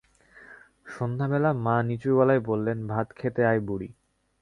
সন্ধ্যাবেলা মা নিচুগলায় বললেন, ভাত খেতে আয় বুড়ি।